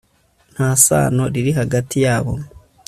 nta sano riri hagati yabo